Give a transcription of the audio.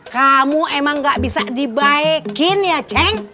kamu emang gak bisa dibaikin ya ceng